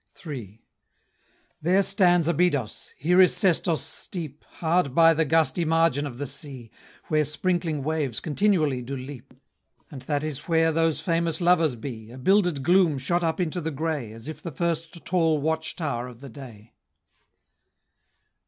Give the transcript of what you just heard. III. There stands Abydos! here is Sestos' steep, Hard by the gusty margin of the sea, Where sprinkling waves continually do leap; And that is where those famous lovers be, A builded gloom shot up into the gray, As if the first tall watch tow'r of the day.